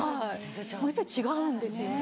やっぱり違うんですよね。